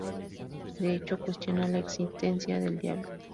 De hecho, cuestiona la existencia del diablo.